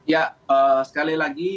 ya sekali lagi